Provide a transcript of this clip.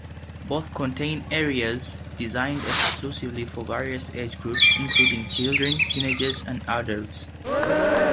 Both contain areas designed exclusively for various age groups, including children, teenagers, and adults.